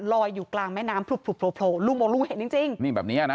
ลอยอยู่กลางแม่น้ำพลบลุงบอกลุงเห็นจริง